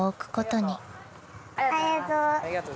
ありがとう。